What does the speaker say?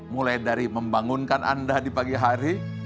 mulai dari membangunkan anda di pagi hari